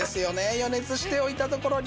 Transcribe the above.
予熱しておいたところに。